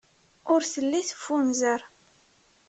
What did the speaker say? Ur telli teffunzer.